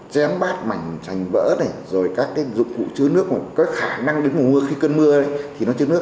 chén bát mảnh trành vỡ này rồi các dụng cụ chứa nước có khả năng đến mùa mưa khi cơn mưa thì nó chứa nước